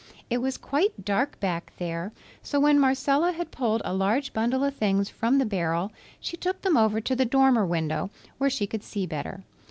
It was quite dark back there, so when Marcella had pulled a large bundle of things from the barrel she took them over to the dormer window where she could see better.